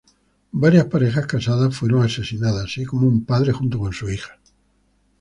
Varias parejas casadas fueron asesinadas, así como un padre junto con su hija.